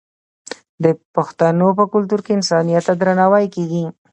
د پښتنو په کلتور کې انسانیت ته درناوی کیږي.